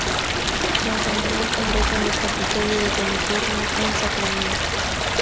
La Asamblea convoca en el Capitolio de California en Sacramento.